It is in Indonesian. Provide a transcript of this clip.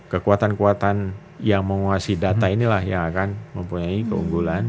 kekuatan kekuatan yang menguasai data inilah yang akan mempunyai keunggulan